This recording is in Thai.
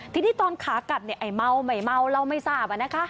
ทีนี้ตอนขากัดเนี่ยไอ้เมาไม่เมาเราไม่ทราบ